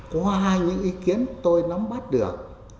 qua những ý kiến tôi nắm bắt được